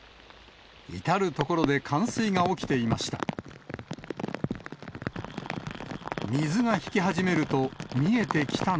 至る所で冠水が起きていました。